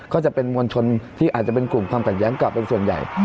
ก็จะเป็นมวลชนที่อาจจะเป็นกลุ่มความขัดแย้งกลับเป็นส่วนใหญ่